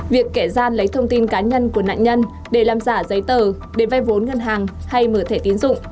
việc kẻ gian lấy thông tin cá nhân của nạn nhân để làm giả giấy tờ để vay vốn ngân hàng hay mở thẻ tiến dụng